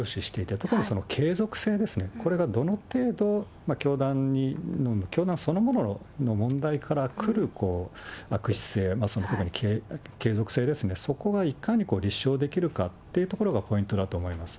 特にその継続性ですね、これがどの程度、教団に、教団そのものの問題からくる、悪質性、継続性ですね、そこがいかに立証できるかというところがポイントだと思います。